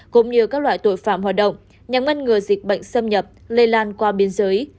cũng như các loại tội phạm hoạt động nhằm ngăn ngừa dịch bệnh xâm nhập lây lan qua biên giới